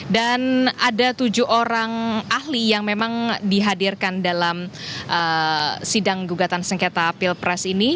dan ada tujuh orang ahli yang memang dihadirkan dalam sidang gugatan sengketa pilpres ini